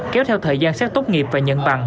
kéo theo thời gian xét tốt nghiệp và nhận bằng